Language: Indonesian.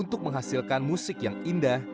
untuk menghasilkan musik yang indah